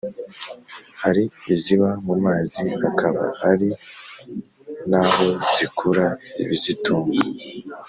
hari iziba mu mazi, akaba ari na ho zikura ibizitunga.